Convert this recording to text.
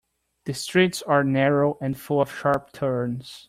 The streets are narrow and full of sharp turns.